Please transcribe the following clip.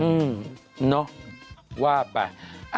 เนาะว่าไป